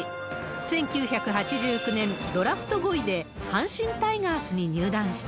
１９８９年、ドラフト５位で阪神タイガースに入団した。